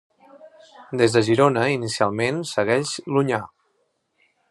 Des de Girona inicialment segueix l'Onyar.